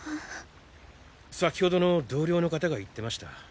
先ほどの同僚の方が言ってました。